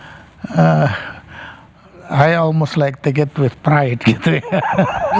saya hampir menerima dengan bangga gitu ya